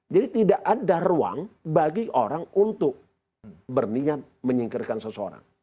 jadi tidak ada ruang bagi orang untuk berniat menyingkirkan seseorang